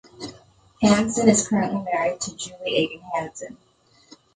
Hansen is currently married to Julie Aiken Hansen.